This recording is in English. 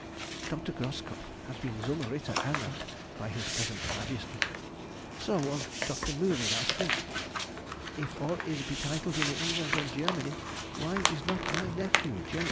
Dr. Groskopf has been zum Ritter ernannt by his present Majesty. So was Dr. Mühry last week. If all is betitled in England and Germany, why is not my nephew, J.